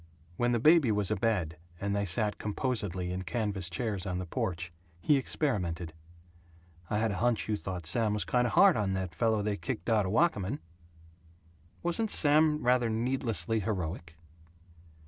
When the baby was abed, and they sat composedly in canvas chairs on the porch, he experimented; "I had a hunch you thought Sam was kind of hard on that fellow they kicked out of Wakamin." "Wasn't Sam rather needlessly heroic?"